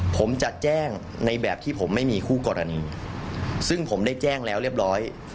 ผมจะแจ้งในแบบที่ผมไม่มีคู่กรณีซึ่งผมได้แจ้งแล้วเรียบร้อย